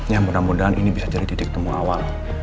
ya mudah mudahan ini bisa jadi titik temu awal